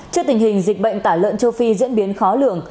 trước tình hình dịch bệnh tả lợn châu phi diễn biến khó lường